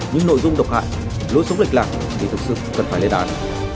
nhưng nội dung độc hại lối sống lệch lạc thì thực sự cần phải lê đán